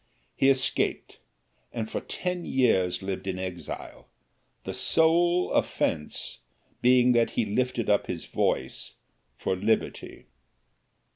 He escaped, and for ten years lived in exile, his sole offense being that he lifted up his voice for liberty.